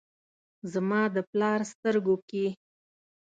زما د پلار سترګو کې ،